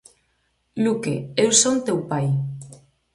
Luke, eu son teu pai.